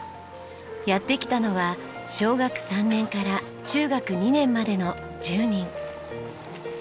やって来たのは小学３年から中学２年までの１０人。